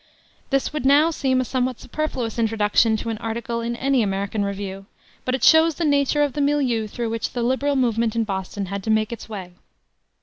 This would now seem a somewhat superfluous introduction to an article in any American review. But it shows the nature of the milieu through which the liberal movement in Boston had to make its way.